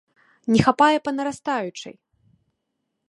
Не хапае па нарастаючай.